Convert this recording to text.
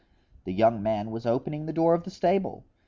The young man was opening the door of the stable.